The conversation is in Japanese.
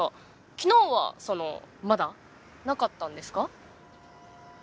昨日はそのまだなかったんですか？